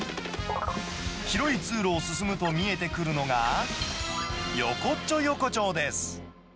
広い通路を進むと見えてくるのが、横っちょ横丁です。